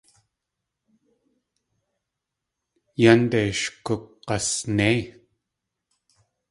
Yánde sh gug̲asnéi.